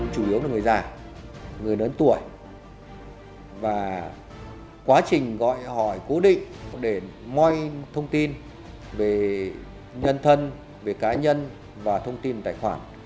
chuyển bộ để ngôi thông tin về nhân thân về cá nhân và thông tin tài khoản